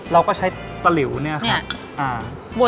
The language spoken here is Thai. เราก็ใช้ตะหลิวเนี่ยค่ะ